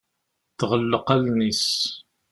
Tɣelleq allen-is.